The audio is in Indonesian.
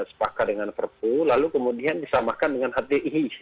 sepakat dengan perpu lalu kemudian disamakan dengan hti